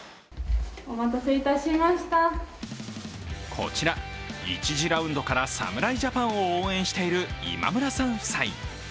こちら、１次ラウンドから侍ジャパンを応援している今村さん夫妻。